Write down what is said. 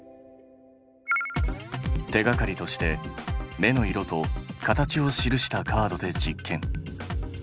手がかりとして目の色と形を記したカードで実験。